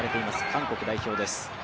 韓国代表です。